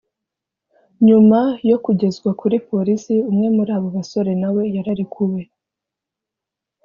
Nyuma yo kugezwa kuri polisi, umwe muri abo basore na we yararekuwe,